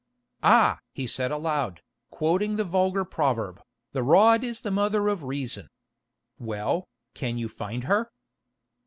"Ah!" he said aloud, quoting the vulgar proverb, "'the rod is the mother of reason.' Well, can you find her?"